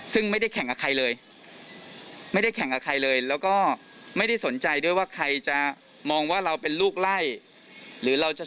ซึ่งไม่ได้แข่งกับใครเลยไม่ได้แข่งกับใครเลยแล้วก็ไม่ได้สนใจด้วยว่าใครจะมองว่าเราเป็นลูกไล่หรือเราจะ